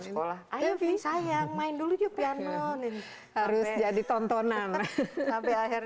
sekolah ayo jadi sayang main dulu juga piano ini harus jadi tontonan sampai akhirnya p breed rules are rule